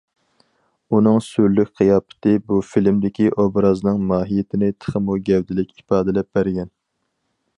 ئۇنىڭ سۈرلۈك قىياپىتى بۇ فىلىمدىكى ئوبرازنىڭ ماھىيىتىنى تېخىمۇ گەۋدىلىك ئىپادىلەپ بەرگەن.